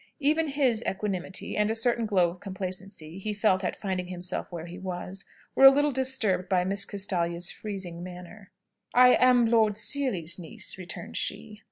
'" Even his equanimity, and a certain glow of complacency he felt at finding himself where he was, were a little disturbed by Miss Castalia's freezing manner. "I am Lord Seely's niece," returned she.